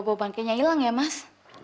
bau bankenya hilang ya mas